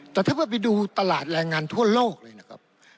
แต่ถ้าเมื่อไปดูตลาดแรงงานทั่วโลกเลยนะครับ